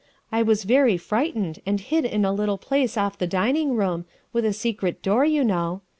I was very frightened and hid in a little place off the dining room, with a secret door you know.